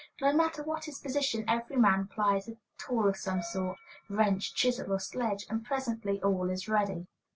No matter what his position, every man plies a tool of some sort wrench, chisel, or sledge, and presently all is ready.